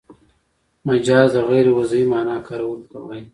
مجاز د غیر وضعي مانا کارولو ته وايي.